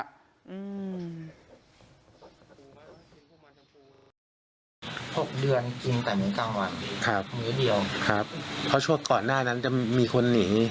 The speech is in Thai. หกเดือนกินแต่มีกลางวันครับมื้อเดียวครับเพราะช่วงก่อนหน้านั้นจะมีคนหนี